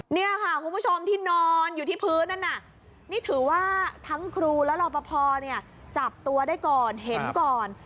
นี่ค่ะคุณผู้ชมที่นอนที่พื้นนั้นถือว่าทั้งครูและรอปะพองิจับตัวได้ก่อนเห็นก่อน